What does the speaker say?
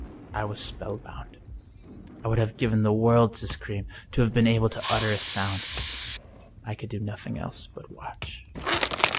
I was spellbound. I would have given the world to scream, to have been able to utter a sound. I could do nothing else but watch.